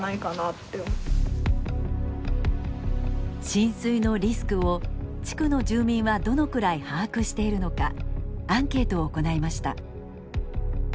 浸水のリスクを地区の住民はどのくらい把握しているのかアンケートを行いました。